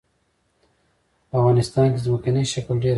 په افغانستان کې ځمکنی شکل ډېر اهمیت لري.